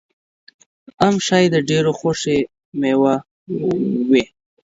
ام ښایي د ډېرو د خوښې مېوه وي.